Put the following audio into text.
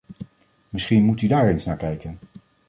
Misschien moet u daar eens naar kijken.